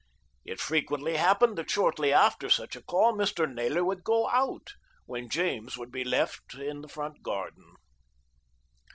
It frequently happened that shortly after such a call Mr. Naylor would go out, when James would be left in the front garden.